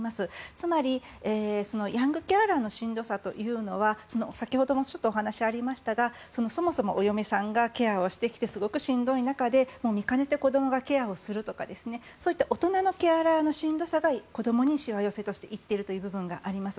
つまりヤングケアラーのしんどさというのは先ほどもちょっとお話がありましたがそもそもお嫁さんがケアしてきてすごくしんどい中で見かねて子どもがケアをするとかそういった大人のケアラーのしんどさが子どもにしわ寄せとして行っている部分があります。